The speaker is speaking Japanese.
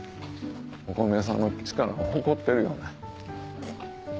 お米屋さんの力を誇ってるよね。